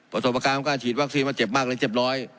ประสบการณ์ของการฉีดวัคซีนว่าเจ็บมากเลยเจ็บร้อย